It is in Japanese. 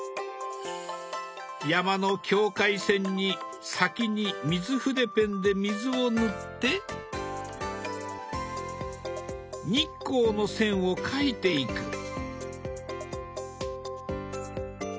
山の境界線に先に水筆ペンで水を塗って日光の線を描いていく。